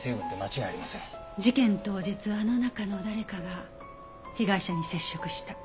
事件当日あの中の誰かが被害者に接触した。